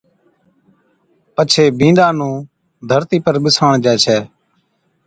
پڇي بِينڏا نُون ڌرتِي پر ٻِساڻجَي ڇَي